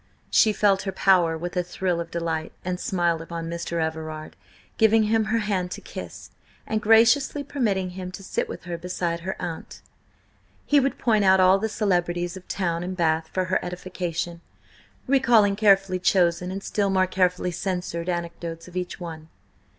She felt her power with a thrill of delight, and smiled upon Mr. Everard, giving him her hand to kiss, and graciously permitting him to sit with her beside her aunt. He would point out all the celebrities of town and Bath for her edification, recalling carefully chosen and still more carefully censured anecdotes of each one.